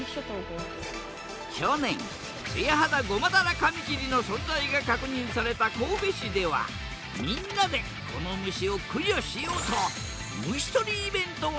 去年ツヤハダゴマダラカミキリの存在が確認された神戸市ではみんなでこの虫を駆除しようと虫とりイベントを始めたへえ。